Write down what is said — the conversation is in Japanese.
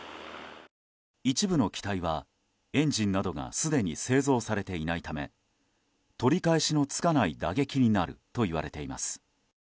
一部の機体はエンジンなどがすでに製造されていないため取り返しのつかない打撃になるといわれています。